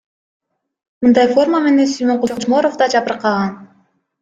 Мындай форма менен Сүймөнкул Чокморов да жабыркаган.